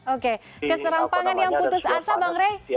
oke keserampangan yang putus asa bang rey